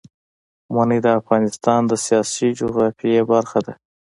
منی د افغانستان د سیاسي جغرافیه برخه ده.